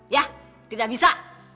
ya tidak bisa